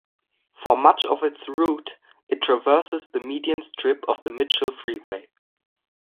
For much of its route, it traverses the median strip of the Mitchell Freeway.